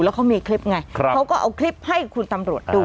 แล้วเขามีคลิปไงเขาก็เอาคลิปให้คุณตำรวจดู